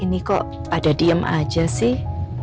ini kok ada diem aja sih